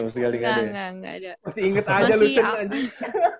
masih inget aja lu